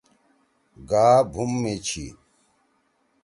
گا بُھوم می چھی۔